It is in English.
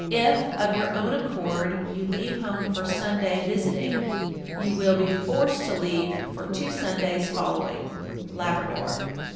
If, of your own accord, you leave home for Sunday visiting, you will be forced to leave for two Sundays following. _Labrador.